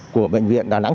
của bệnh viện đà nẵng